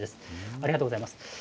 ありがとうございます。